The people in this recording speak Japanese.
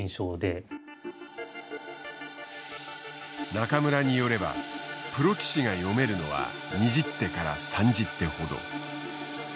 中村によればプロ棋士が読めるのは２０手から３０手ほど。